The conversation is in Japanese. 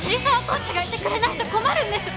コーチがいてくれないと困るんです！